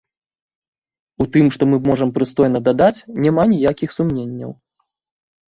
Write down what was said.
У тым, што мы можам прыстойна дадаць, няма ніякіх сумненняў.